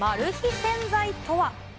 洗剤とは。